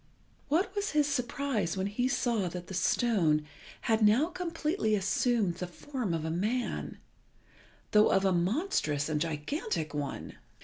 What was his surprise when he saw that the stone had now completely assumed the form of a man, though of a monstrous and gigantic one!